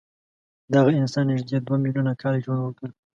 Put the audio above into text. دغه انسان نږدې دوه میلیونه کاله ژوند وکړ.